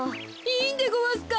いいんでごわすか？